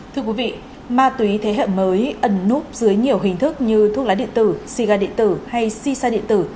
thưa quý vị ma túy thế hệ mới ẩn núp dưới nhiều hình thức như thuốc lá điện tử si ga điện tử hay si sa điện tử